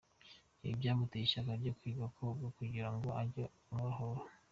Ibi byamuteye ishyaka ryo kwiga koga kugira ngo ajye abarohora.